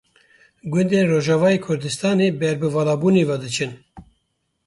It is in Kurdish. Gundên Rojavayê Kurdistanê ber bi valabûnê ve diçin.